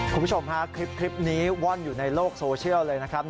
คุณผู้ชมฮะคลิปนี้ว่อนอยู่ในโลกโซเชียลเลยนะครับ